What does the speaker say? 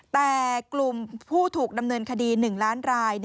แต่กลุ่มผู้ถูกดำเนินคดี๑ล้านราย